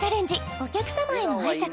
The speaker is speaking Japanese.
お客様への挨拶